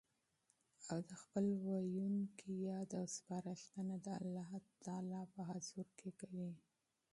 او د خپل ويلوونکي ياد او سپارښتنه د الله تعالی په حضور کي کوي